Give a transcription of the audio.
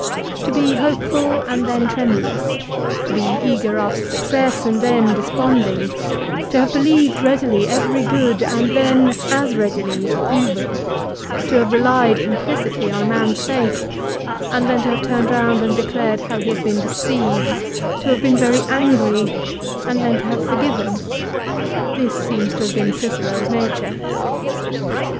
To be hopeful and then tremulous, to be eager after success and then desponding, to have believed readily every good and then, as readily, evil, to have relied implicitly on a mans faith and then to have turned round and declared how he had been deceived, to have been very angry and then to have forgiven, this seems to have been Cicero's nature.